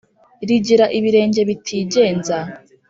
Rigira ibirenge bitigenza